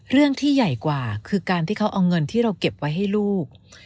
เรื่องที่ใหญ่กว่าคือการที่เขาเอาเงินที่เราเก็บไว้ให้ลูก